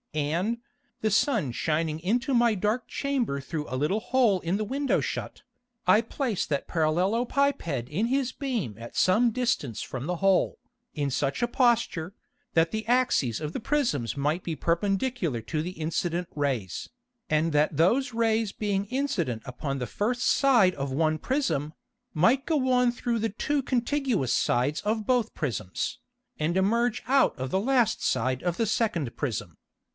And, the Sun shining into my dark Chamber through a little hole in the Window shut, I placed that Parallelopiped in his beam at some distance from the hole, in such a Posture, that the Axes of the Prisms might be perpendicular to the incident Rays, and that those Rays being incident upon the first Side of one Prism, might go on through the two contiguous Sides of both Prisms, and emerge out of the last Side of the second Prism.